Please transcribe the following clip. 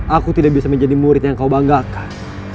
aku tidak bisa menjadi murid yang kau banggakan